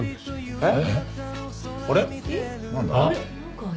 えっ？